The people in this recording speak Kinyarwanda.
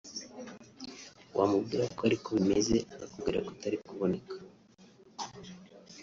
wamubwira ko ariko bimeze akakubwira ko atari kuboneka